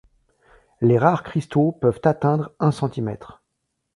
Les rares cristaux peuvent atteindre un centimètre.